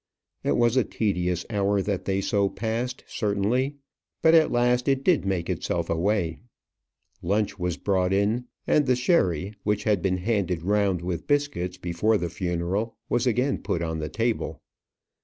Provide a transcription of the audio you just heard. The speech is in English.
It was a tedious hour that they so passed, certainly; but at last it did make itself away. Lunch was brought in; and the sherry, which had been handed round with biscuits before the funeral, was again put on the table.